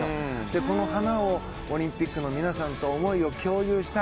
この花をオリンピックの皆さんと思いを共有したい。